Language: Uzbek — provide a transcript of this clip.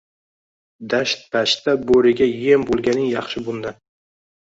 Dasht-pashtda bo‘riga yem bo‘lganing yaxshi bundan.